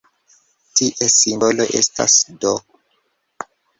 Ties simbolo estas "d".